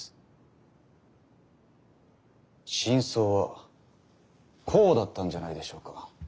真相はこうだったんじゃないでしょうか。